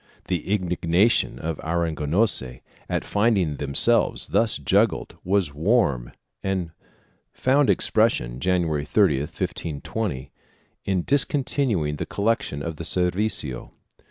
The indignation of the Aragonese at finding themselves thus juggled was warm and found expression, Jan uary 30, 1520, in discontinuing the collection of the servicio.